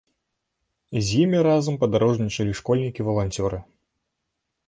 З імі разам падарожнічалі школьнікі-валанцёры.